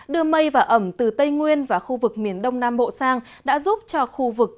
đưa mây và ẩm từ tây nguyên và khu vực miền đông nam bộ sang đã giúp cho khu vực